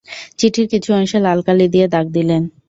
চিঠির কিছু অংশ লাল কালি দিয়ে দাগ দিলেন।